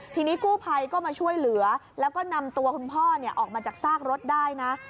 ทีนี้กู้ภัยก็มาช่วยเหลือแล้วก็นำตัวคุณพ่อออกมาจากซากรถได้นะ